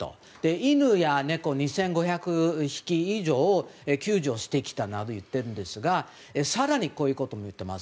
犬や猫２５００匹以上救助してきたなど言っているんですが更に、こういうことも言っています。